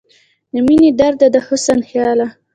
د مينې درده، د حسن خياله